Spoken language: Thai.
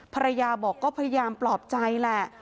ภรรยาบอกก็พยายามปลอบใจแหละ